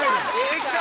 できた！